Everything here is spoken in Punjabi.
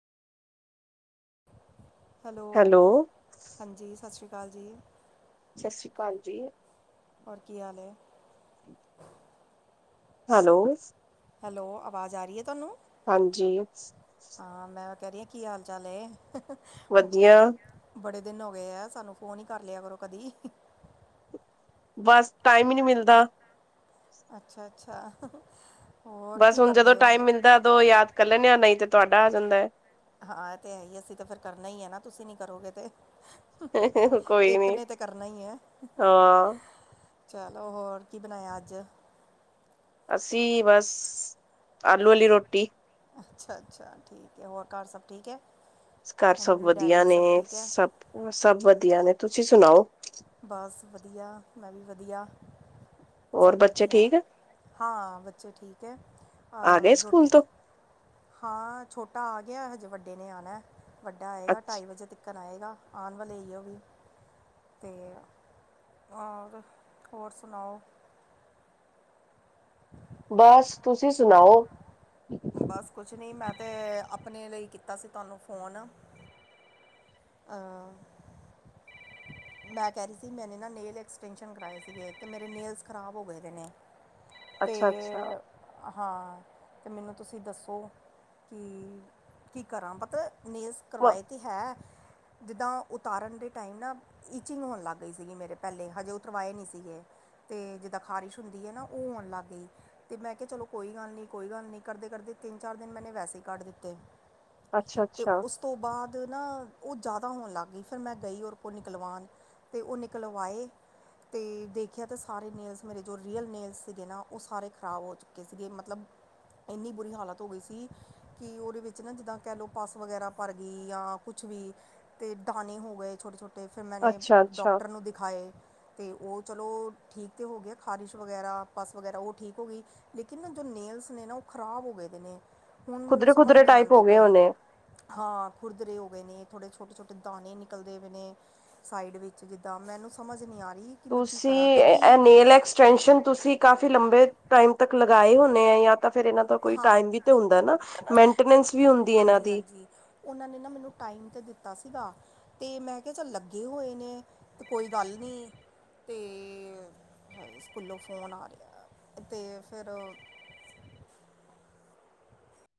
ਹੈਲੋ ਹੈਲੋ ਹਾਂਜੀ ਸਤਿ ਸ਼੍ਰੀ ਅਕਾਲ ਜੀ ਸਤਿ ਸ੍ਰੀ ਅਕਾਲ ਜੀ ਕੀ ਹਾਲ ਏ ਠੀਕ ਹੈਲੋ ਹੈਲੋ ਆਵਾਜ਼ ਆ ਰਹੀ ਏ ਤੁਹਾਨੂੰ ਹਾਂਜੀ ਹਾਂ ਮੈਂ ਕਹਿ ਰਹੀ ਹਾਂ ਕੀ ਹਾਲ ਚਾਲ ਏ ਵਧੀਆ ਬੜੇ ਦਿਨ ਹੋ ਗਏ ਏ ਸਾਨੂੰ ਫੋਨ ਹੀ ਕਰ ਲਿਆ ਕਰੋ ਕਦੀ ਬਸ, ਟਾਈਮ ਹੀ ਨਹੀ ਮਿਲਦਾ ਅੱਛਾ- ਅੱਛਾ ਹੋਰ ਬਸ ਕੀ ਹੁਣ ਜਦੋਂ ਕਰਦੇ ਹੋ ਟਾਈਮ ਮਿਲਦਾ ਉਦੋਂ ਯਾਦ ਲੈਂਨ ਆ ਤੇ ਤੁਹਾਡਾ ਆ ਜਾਂਦਾ ਹੈ ਹਾਂ ਇਹ ਤਾਂ ਹੈ ਹੀ ਅਸੀਂ ਤਾਂ ਫਿਰ ਕਰਨਾ ਹੀ ਹੈ ਨਾ ਤੁਸੀਂ ਨਹੀਂ ਕਰੋਗੇ ਤੇ ਹੈ ਕੋਈ ਇੱਕ ਨੀ। ਨੇ ਤਾਂ ਕਰਨਾ ਈ ਏ ਹਾਂ ਚਲੋ ਹੋਰ ਕੀ ਬਣਾਇਆ ਅੱਜ ਅਸੀਂ ਬਸ, ਆਲੂ ਵਾਲੀ ਰੋਟੀ ਅੱਛਾ- ਅੱਛਾ ਠੀਕ ਏ, ਹੋਰ ਘਰ ਸਭ ਠੀਕ ਹੈ ਘਰ ਸਭ ਮੰਮੀ ਵਧੀਆ ਡੈਡੀ ਨੇ, ਠੀਕ ਹੈ ਸਭ -ਸਭ ਵਧੀਆ ਨੇ ਤੁਸੀਂ ਸੁਣਾਓ ਬਸ ਵਧੀਆ, ਮੈਂ ਵੀ ਵਧੀਆ, ਹੋਰ ਸਭ ਬੱਚੇ ਵਧੀਆ ਠੀਕ ਹਾਂ ਬੱਚੇ ਠੀਕ ਹੈ ਆ ਗਏ ਅਹ, ਰੋ ਸਕੂਲ ਤੋਂ ਹਾਂ, ਛੋਟਾ ਆ ਗਿਆ ਹਜੇ ਵੱਡੇ ਨੇ ਆਨਾ ਵੱਡਾ ਆਏਗਾ ਢਾਈ ਅੱਛਾ ਵਜੇ ਤੱਕ ਆਏਗਾ, ਆਉਣ ਵਾਲਾ ਹੀ ਉਵੀ ਅਤੇ, ਹੋਰ- ਹੋਰ ਸੁਣਾਓ ਹਾਂ ਬਸ ਤੁਸੀਂ ਸੁਣਾਓ ਬਸ ਕੁਛ ਨਹੀਂ, ਮੈਂ ਤੇ ਆਪਣੇ ਲਈ ਕੀਤਾ ਸੀ ਤੁਹਾਨੂੰ ਫੋਨ ਆ ਮੈਂ ਕਹਿ ਰਹੀ ਸੀ ਮੇਨੇ ਨਾ ਨੇਲ ਐਕਸਟੈਂਸ਼ਨ ਕਰਵਾਏ ਸੀਗੇ ਅਤੇ ਮੇਰੇ ਨੇਲਸ ਖ਼ਰਾਬ ਹੋ ਗਏ ਨੇ ਤੇ ਅੱਛਾ ਅੱਛਾ ਹਾਂ, ਤੇ ਮੈਨੂੰ ਤੁਸੀਂ ਦੱਸੋ ਕੀ-ਕੀ ਕਰਾਂ ਪਤਾ ਨੇਲਸ ਕਰਵਾਏ ਤੇ ਹੈ ਜਿੱਦਾਂ ਉਤਾਰਨ ਦੇ ਟਾਈਮ ਨਾ ਈਚਿੰਗ ਹੋਣ ਲੱਗ ਗਈ ਸੀਗੀ ਮੇਰੇ ਪੈਲੇ ਹਜੇ ਉਤਰਵਾਏ ਨੀ ਸੀਗੇ। ਤੇ ਜਿੱਦਾਂ ਖ਼ਾਰਿਸ਼ ਹੁੰਦੀ ਐ ਨਾ ਓ ਹੋਣ ਲੱਗ ਗਈ। ਤੇ ਮੈਂ ਕਿਆ ਚਲੋ ਕੋਈ ਗੱਲ ਨੀ ਕੋਈ ਗੱਲ ਨੀ ਕਰਦੇ-ਕਰਦੇ ਤਿੰਨ ਦਿਨ ਮੈਨੇ ਵੈਸੇ ਈ ਕੱਢ ਦਿੱਤੇ। ਅੱਛਾ ਤੇ ਅੱਛਾ ਉਸ ਤੋਂ ਬਾਦ ਨਾ ਓ ਜਾਦਾ ਹੋਣ ਲੱਗ ਗਈ ਫਿਰ ਮੈਂ ਗਈ ਓਰ ਕੋਲ ਨਿਕਲਵਾਣ ਤੇ ਓ ਨਿਕਲਵਾਏ ਤੇ ਦੇਖਿਆ ਤਾਂ ਸਾਰੇ ਨੇਲਸ ਮੇਰੇ ਜੋ ਰੀਅਲ ਨੇਲਸ ਸੀਗੇ ਨਾ ਓ ਸਾਰੇ ਖ਼ਰਾਬ ਹੋ ਚੁੱਕੇ ਸੀਗੇ ਮਤਲਬ ਏਨੀ ਬੁਰੀ ਹਾਲਤ ਹੋਗੀ ਸੀ ਕੀ ਉਦੇ ਵਿੱਚ ਨਾ ਜਿੱਦਾਂ ਕੈ ਲੋ ਪੱਸ ਵਗੈਰਾ ਭਰ ਗੀ ਯਾਂ ਕੁ ਛ ਵੀ ਅਤੇ ਦਾਣੇ ਹੋ ਗਏ ਛੋਟੇ-ਛੋਟੇ ਫਿਰ ਮੈਨੇ ਅੱਛਾ ਅੱਛਾ ਡਾਕਟਰ ਨੂੰ ਦਿਖਾਏ ਤੇ ਓ ਚਲੋ ਠੀਕ ਤਾਂ ਹੋ ਗਿਆ ਖਾਰਿਸ਼ ਵਗੈਰਾ ਪਸ ਵਗੈਰਾ ਓ ਠੀਕ ਹੋਗੀ ਲੇਕਿਨ ਜੋ ਨੇਲਸ ਨੇ ਨਾ ਓ ਖ਼ਰਾਬ ਹੋ ਗਏ ਦੇ ਨੇ ਹੁਣ ਮੈਨੂੰ ਖੁਦਰੇ ਸਮਝ ਖੁਦਰੇ ਨੀ ਟਾਈਪ ਹੋ ਆਂਦੀ ਗਏ ਪਈ ਹੋਣੇ ਹਾਂ ਖੁੁਰਦਰੇ [unintelligible] ਗੇ ਨੇ ਥੋੜੇ ਛੋਟੇ-ਛੋਟੇ ਦਾਣੇ ਨਿਕਲਦੇ ਵੇ ਨੇ ਸਾਈਡ ਵਿੱਚ ਜਿੱਦਾਂ ਮੈਨੂੰ ਸਮਝ ਨੀ ਆਰੀ ਤੁਸੀਂ ਐ ਨੇਲ ਐਕਸ ਟੈਂਸ਼ਨ ਤੁਸੀਂ ਕਾਫੀ ਲੰਬੇ ਟਾਈਮ ਤੱਕ ਲਗਾਏ ਹੁੰਨੇ ਆ ਯਾਂ ਤਾਂ ਫਿਰ ਇਨਾਂ ਦਾ ਕੋਈ ਹਾਂ ਟਾਈਮ ਵੀ ਤੇ ਹੁੰਦਾ ਨਾ ਮੇਨਟੇਨੈਂਸ ਵੀ ਹੁੰਦੀ ਏਨਾਂ ਦੀ। ਉਨਾਂ ਨੇ ਨਾ ਮੈਨੂੰ ਟਾਈਮ ਤੇ ਦਿੱਤਾ ਸੀਗਾ ਤੇ ਮੈਂ ਕਿਆ ਚੱਲ ਲੱਗੇ ਹੋਏ ਨੇ ਤੇ ਕੋਈ ਗੱਲ ਨੀ ਤੇ ਸਕੂਲੋਂ ਫੋਨ ਆ ਰਿਆ ਤੇ ਫੇਰ